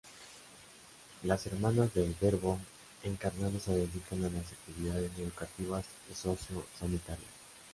Las Hermanas del Verbo Encarnado se dedican a las actividades educativas y socio sanitarias.